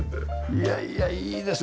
いやいやいいですね。